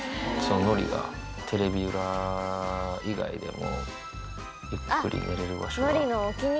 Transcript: のりが、テレビ裏以外でも、ゆっくり寝れる場所が。